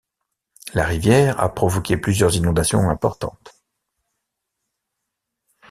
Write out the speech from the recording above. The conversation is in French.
La rivière a provoqué plusieurs inondations importantes.